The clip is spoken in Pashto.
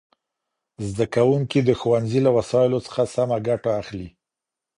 زدهکوونکي د ښوونځي له وسایلو څخه سمه ګټه اخلي.